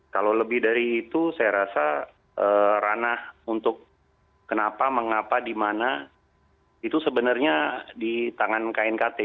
kalau lebih dari itu saya rasa ranah untuk kenapa mengapa di mana itu sebenarnya di tangan knkt